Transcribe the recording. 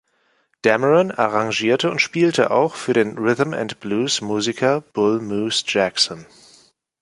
Dameron arrangierte und spielte auch für den Rhythm-and-Blues-Musiker Bull Moose Jackson.